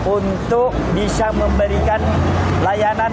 untuk bisa memberikan layanan